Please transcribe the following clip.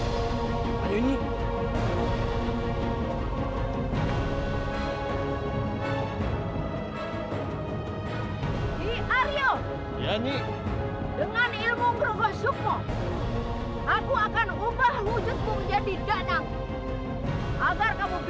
sampai jumpa di video selanjutnya